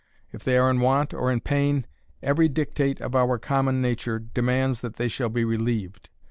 If they are in want or in pain, every dictate of our common nature demands that they shall be relieved.